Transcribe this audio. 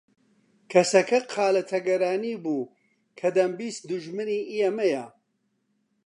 کەسەکە قالە تەگەرانی بوو کە دەمبیست دوژمنی ئێمەیە